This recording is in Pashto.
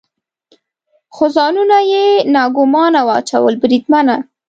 خو ځانونه یې ناګومانه واچول، بریدمنه.